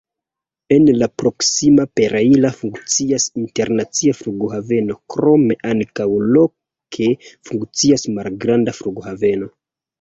En la proksima Pereira funkcias internacia flughaveno, krome ankaŭ loke funkcias malgranda flughaveno.